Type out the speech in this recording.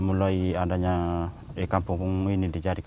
mulai adanya kampung ini